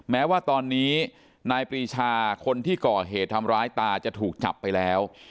แม้ว่าตอนนี้นายปรีชาคนที่ก่อเหตุทำร้ายตาจะถูกจับไปแล้ว